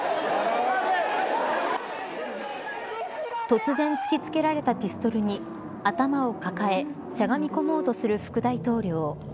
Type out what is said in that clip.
突然、突きつけられたピストルに頭を抱えしゃがみこもうとする副大統領。